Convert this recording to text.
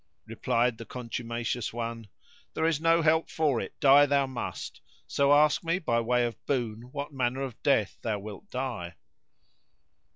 Replied the Contumacious One, "There is no help for it; die thou must; so ask me by way of boon what manner of death thou wilt die."